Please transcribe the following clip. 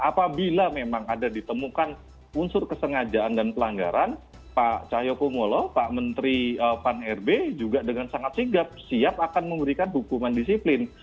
apabila memang ada ditemukan unsur kesengajaan dan pelanggaran pak cahyokumolo pak menteri pan rb juga dengan sangat sigap siap akan memberikan hukuman disiplin